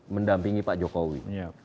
mendampingi pak jokowi